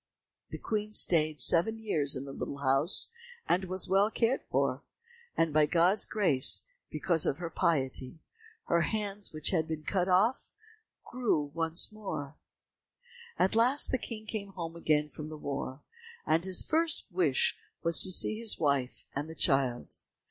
The Queen stayed seven years in the little house, and was well cared for, and by God's grace, because of her piety, her hands which had been cut off, grew once more. At last the King came home again from the war, and his first wish was to see his wife and the child.